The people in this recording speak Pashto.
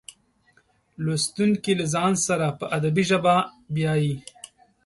لوستونکي له ځان سره په ادبي ژبه بیایي.